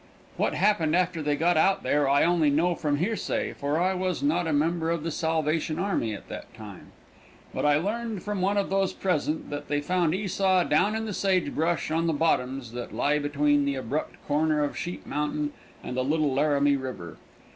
What happened after they got out there I only know from hearsay, for I was not a member of the Salvation army at that time. But I learned from one of those present, that they found Esau down in the sage brush on the bottoms that lie between the abrupt corner of Sheep mountain and the Little Laramie river.